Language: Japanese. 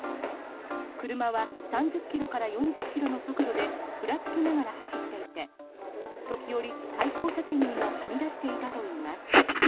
車は３０ｋｍから４０ｋｍの速度でふらつきながら走っていて時折、対向車線にもはみ出していたといいます。